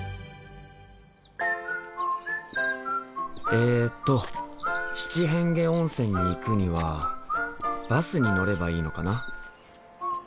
えと七変化温泉に行くにはバスに乗ればいいのかな？